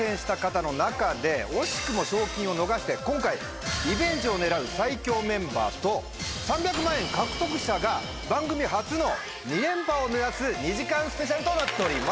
惜しくも賞金を逃して今回リベンジを狙う最強メンバーと３００万円獲得者が番組初の２連覇を目指す２時間ＳＰとなっております。